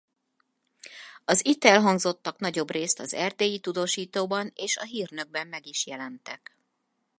Az itt elhangzottak nagyobbrészt az Erdélyi Tudósítóban és A Hírnökben meg is jelentek.